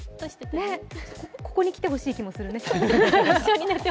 ここに来てほしい気もするね。